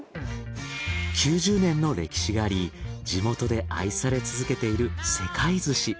９０年の歴史があり地元で愛され続けているせかい鮨。